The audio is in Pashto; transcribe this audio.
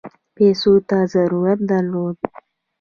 پیسو ته ضرورت درلود.